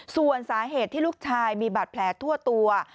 ส่วนสาเหตุที่ลูกชายมีบาดแผลทั่วตัว